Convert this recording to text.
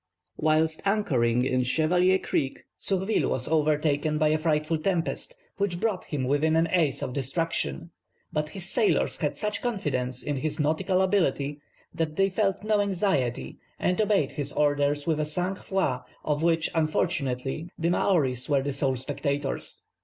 Whilst anchored in Chevalier Creek, Surville was overtaken by a frightful tempest, which brought him within an ace of destruction, but his sailors had such confidence in his nautical ability that they felt no anxiety, and obeyed his orders with a sang froid of which, unfortunately, the Maoris were the sole spectators.